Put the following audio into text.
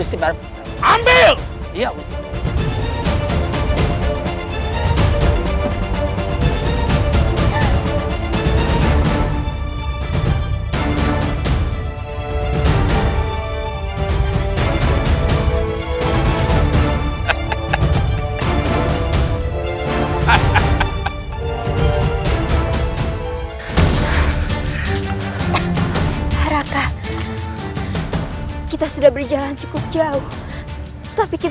tapi raka dadaku masih terasa sakit